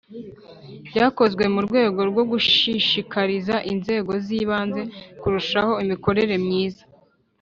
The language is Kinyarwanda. Byakozwe mu rwego rwo gushishikariza Inzego z’Ibanze kurushaho imikorere myiza